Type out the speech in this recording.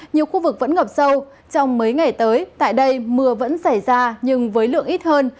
nhiều khu vực vẫn ngập sâu trong mấy ngày tới tại đây mưa vẫn xảy ra nhưng với lượng ít hơn